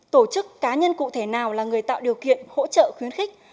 tổ chức cá nhân cụ thể nào là người tạo điều kiện hỗ trợ khuyến khích